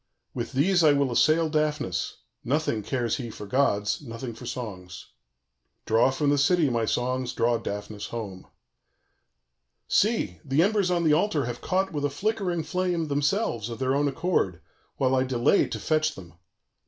With these I will assail Daphnis: nothing cares he for gods, nothing for songs. "Draw from the city, my songs, draw Daphnis home. "See! the embers on the altar have caught with a flickering flame, themselves, of their own accord, while I delay to fetch them.